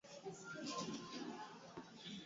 Ugonjwa wa kiwele Kititi